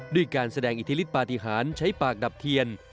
ด้วยการแสดงอิทธิฤทธปฏิหารใช้ปากดับเทียน